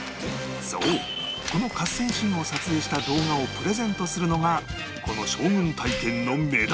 そうこの合戦シーンを撮影した動画をプレゼントするのがこの将軍体験の目玉